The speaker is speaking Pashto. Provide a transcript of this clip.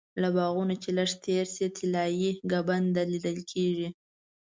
له باغونو چې لږ تېر شې طلایي ګنبده لیدل کېږي.